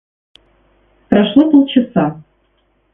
Прошло полчаса.